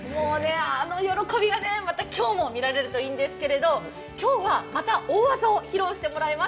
あの喜びが、今日も見られるといいんですけど今日はまた大技を披露してもらいます。